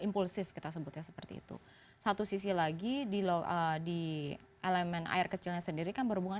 impulsif kita sebutnya seperti itu satu sisi lagi di elemen air kecilnya sendiri kan berhubungan